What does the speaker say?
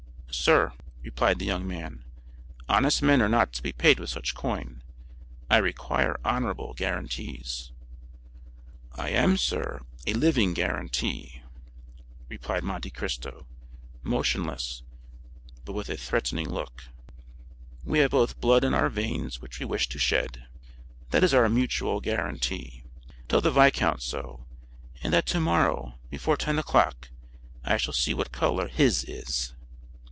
"Sir," replied the young man, "honest men are not to be paid with such coin. I require honorable guaranties." "I am, sir, a living guaranty," replied Monte Cristo, motionless, but with a threatening look; "we have both blood in our veins which we wish to shed—that is our mutual guaranty. Tell the viscount so, and that tomorrow, before ten o'clock, I shall see what color his is."